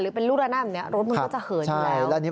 หรือเป็นลูกด้านหน้าแบบนี้